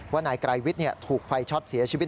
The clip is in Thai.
ว่านายไกรวิทย์ถูกไฟช็อตเสียชีวิต